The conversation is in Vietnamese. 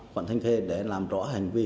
quận thanh khê để làm rõ hành vi